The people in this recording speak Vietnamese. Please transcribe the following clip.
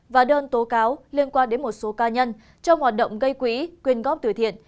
và đơn tố cáo liên quan đến một số cá nhân trong hoạt động gây quỹ quyên góp từ thiện